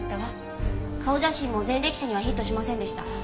顔写真も前歴者にはヒットしませんでした。